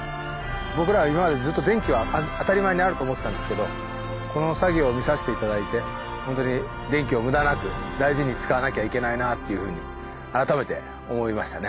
僕らは今までずっと電気は当たり前にあると思ってたんですけどこの作業を見さして頂いてほんとに電気を無駄なく大事に使わなきゃいけないなっていうふうに改めて思いましたね。